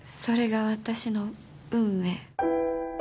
それが私の運命。